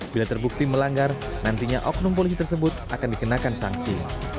bila terbukti melanggar nantinya oknum polisi tersebut akan dikenakan sanksi